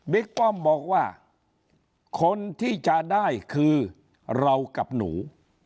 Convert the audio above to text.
ป้อมบอกว่าคนที่จะได้คือเรากับหนู